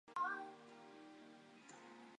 而钏网线及网走本线亦正式编入网走本线。